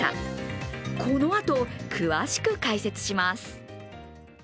このあと詳しく解説します。